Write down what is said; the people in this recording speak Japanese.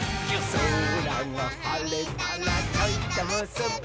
「そらがはれたらちょいとむすび」